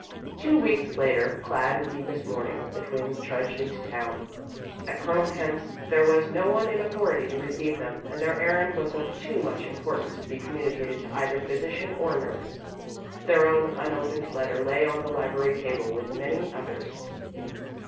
Two weeks later, clad in deepest mourning, the twins trudged into town. At Colonel Kent's there was no one in authority to receive them and their errand was of too much importance to be communicated to either physician or nurse. Their own unopened letter lay on the library table, with many others.